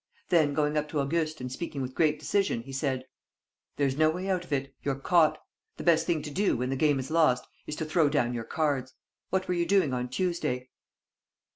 Then, going up to Auguste and speaking with great decision, he said: "There's no way out of it. You're caught. The best thing to do, when the game is lost, is to throw down your cards. What were you doing on Tuesday?"